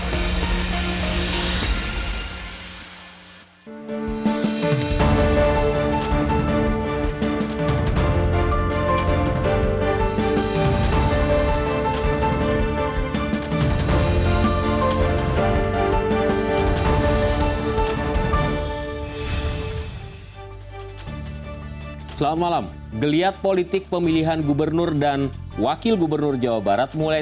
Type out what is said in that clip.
hai selamat malam geliat politik pemilihan gubernur dan wakil gubernur jawa barat mulai